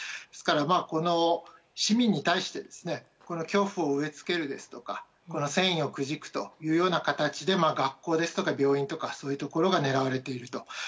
ですから、市民に対して恐怖を植え付けるですとか戦意をくじくというような形で学校ですとか、病院とかそういうところが狙われていると。